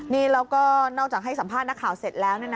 นอกจากให้สัมภาษณ์นักข่าวเสร็จแล้ว